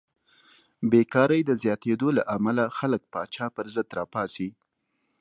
بېکارۍ د زیاتېدو له امله خلک پاچا پرضد راپاڅي.